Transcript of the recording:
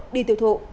đi tiêu thụ